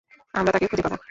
আমরা তাকে খুঁজে পাব।